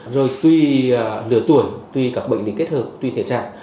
rồi tùy lưa tuổi tùy các bệnh lý kết hợp tùy thể trạng